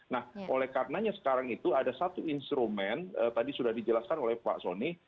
nah oleh karenanya sekarang itu ada satu instrumen tadi sudah dijelaskan oleh pak soni